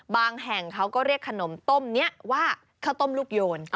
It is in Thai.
บางแห่งเขาก็เรียกขนมต้มนี้ว่าขนมลูกโยน